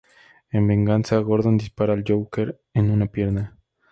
En venganza, Gordon dispara al Joker en una pierna.